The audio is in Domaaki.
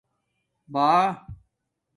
بݳ